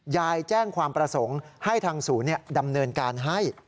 ยายแจ้งความประสงค์ให้ทางศูนย์ดำเนินการให้